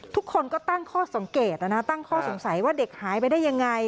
ทุกคนก็ตั้งข้อสังเกตตั้งข้อสงสัยว่าเด็กหายไปได้ยังไง